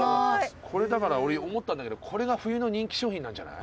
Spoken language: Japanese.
「これ、だから俺、思ったんだけどこれが冬の人気商品なんじゃない？」